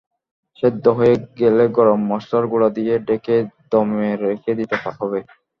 সেদ্ধ হয়ে গেলে গরম মসলার গুঁড়া দিয়ে ঢেকে দমে রেখে দিতে হবে।